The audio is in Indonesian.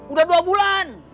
udah dua bulan